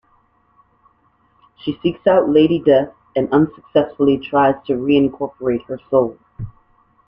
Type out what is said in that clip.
She seeks out Lady Death and unsuccessfully tries to reincorporate her soul.